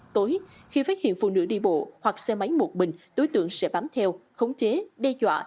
tối khi phát hiện phụ nữ đi bộ hoặc xe máy một bình đối tượng sẽ bám theo khống chế đe dọa